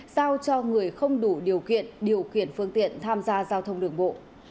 giao cho người không đủ điều kiện điều khiển phương tiện tham gia giao thông đường bộ